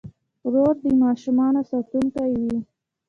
ورور د ماشومانو ساتونکی وي.